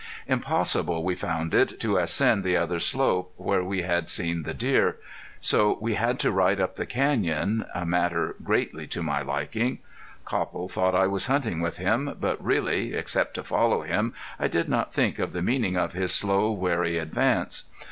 Impossible we found it to ascend the other slope where we had seen the deer, so we had to ride up the canyon, a matter greatly to my liking. Copple thought I was hunting with him, but really, except to follow him, I did not think of the meaning of his slow wary advance.